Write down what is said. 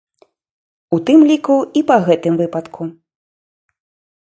У тым ліку і па гэтым выпадку.